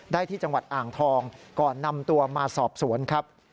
ที่จังหวัดอ่างทองก่อนนำตัวมาสอบสวนครับ